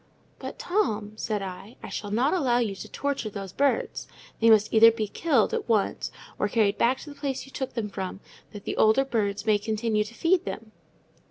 "But, Tom," said I, "I shall not allow you to torture those birds. They must either be killed at once or carried back to the place you took them from, that the old birds may continue to feed them."